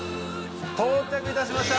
到着いたしました！